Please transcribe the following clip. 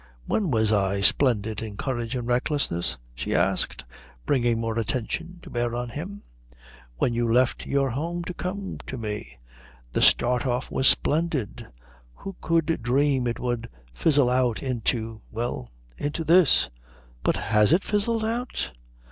"When was I splendid in courage and recklessness?" she asked, bringing more attention to bear on him. "When you left your home to come to me. The start off was splendid. Who could dream it would fizzle out into well, into this?" "But has it fizzled out?